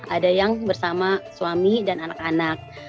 ada yang bersama suami dan anak anak